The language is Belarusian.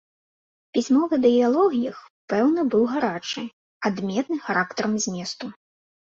Пісьмовы дыялог іх, пэўна, быў гарачы, адметны характарам зместу.